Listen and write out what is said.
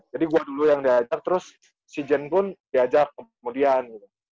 jadi gue dulu yang diajak terus si jen pun diajak kemudian